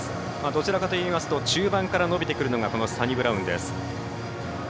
どちらかといいますと中盤から伸びてくるのがサニブラウンです。